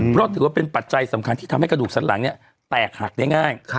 เพราะถือว่าเป็นปัจจัยสำคัญที่ทำให้กระดูกสันหลังแตกหักได้ง่าย